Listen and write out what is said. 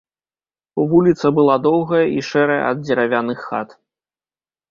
Вуліца была доўгая і шэрая ад дзеравяных хат.